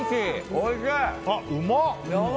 おいしい！